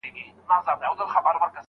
مسخره وي د څښتن د غلامانو.